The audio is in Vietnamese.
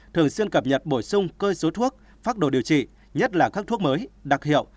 thường xuyên cập nhật bổ sung cơi số thuốc phác đồ điều trị nhất là các thuốc mới đặc hiệu